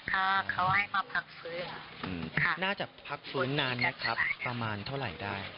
ถ้าเขาให้เขาพักฟื้นน่าจะพักฟื้นนานนะครับประมาณเท่าไหร่ได้